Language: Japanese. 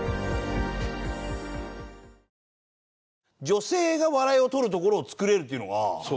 女性が笑いをとるところを作れるっていうのが。